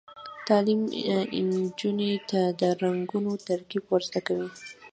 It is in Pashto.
تعلیم نجونو ته د رنګونو ترکیب ور زده کوي.